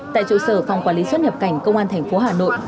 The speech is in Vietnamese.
tại trụ sở phòng quản lý xuất nhập cảnh công an thành phố hà nội